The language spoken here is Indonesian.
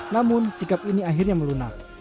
namun sikap ini akhirnya melunak